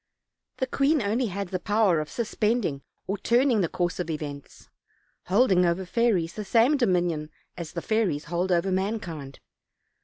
The queen only had the power of suspending or turning the course of events; holding over fairies the same dominion as the fairies hold over mankind.